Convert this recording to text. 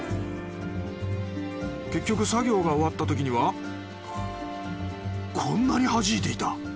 結局作業が終わったときにはこんなにはじいていた。